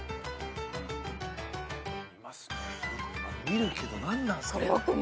見るけど何なんすか？